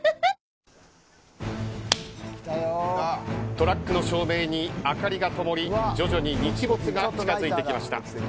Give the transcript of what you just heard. トラックの照明に明かりがともり徐々に日没が近づいてきました。